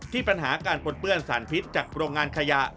ปัญหาการปนเปื้อนสารพิษจากโรงงานขยะ